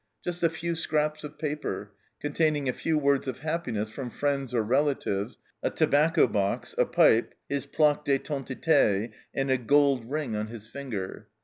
Just a few scraps of paper, containing a few words of happiness from friends or relatives, a tobacco box, a pipe, his plaque didentite, and a gold ring ENTER ROMANCE 251 on his finger.